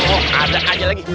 oh ada aja lagi